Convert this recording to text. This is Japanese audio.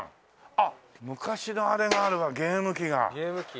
あっ昔のあれがあるわゲーム機が。